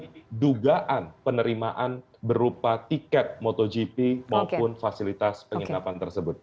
jadi dugaan penerimaan berupa tiket motogp maupun fasilitas penginapan tersebut